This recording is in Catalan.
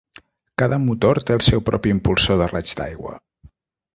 Cada motor té el seu propi impulsor de raig d'aigua.